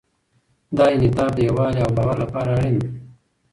دا انعطاف د یووالي او باور لپاره اړین دی.